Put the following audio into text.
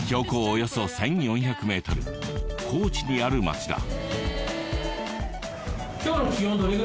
およそ１，４００ｍ高地にある町だ